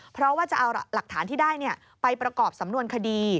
เพราะว่าจะเอาหลักฐานที่ได้ไปประกอบสำนวนคดี